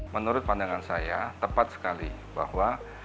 menurut pandangan saya tepat sekali bahwa